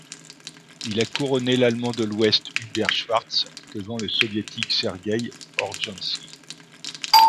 Il a couronné l'Allemand de l'Ouest Hubert Schwarz devant le Soviétique Sergueï Orljanski.